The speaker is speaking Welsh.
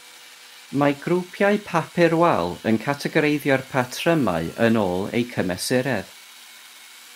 Mae grwpiau papur wal yn categoreiddio'r patrymau yn ôl eu cymesuredd.